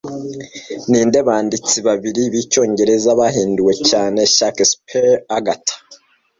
Ninde banditsi babiri b'icyongereza bahinduwe cyane Shakespeare - Agatha